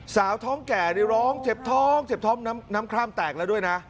สาวท้องแก่นี่ร้องเจ็บท้องเจ็บท้องน้ำคร่ำแตกแล้วด้วยนะ